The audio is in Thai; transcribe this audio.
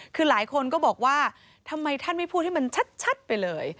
คือหลายคนก็บอกว่าทำไมท่านไม่พูดให้มันชัดไปเลย